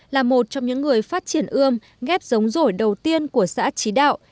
là một trong những người phát triển ươm ghép giống rổi đầu tiên của xã trí đạo